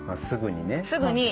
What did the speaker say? すぐにね。